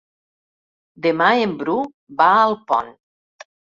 Demà en Bru va a Alpont.